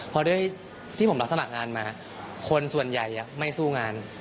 เพราะด้วยที่ผมรับสมัครงานมาคนส่วนใหญ่ไม่สู้งาน